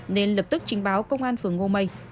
nên lập tức trình báo công an phường ngô mây